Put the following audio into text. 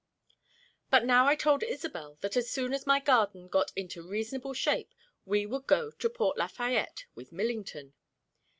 But now I told Isobel that as soon as my garden got into reasonable shape we would go to Port Lafayette with Millington.